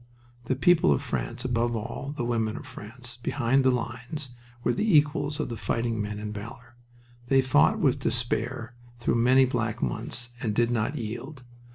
The people of France above all, the women of France behind the lines, were the equals of the fighting men in valor. They fought with despair, through many black months, and did not yield.